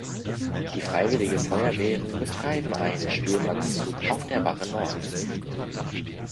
Die Freiwillige Feuerwehren betreiben einen Spielmannszug auf der Wache Nord.